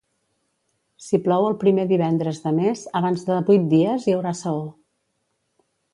Si plou el primer divendres de mes, abans de vuit dies hi haurà saó.